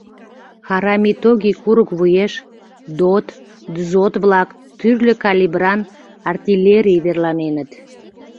Харамитоги курык вуеш ДОТ, ДЗОТ-влак, тӱрлӧ калибран артиллерий верланеныт.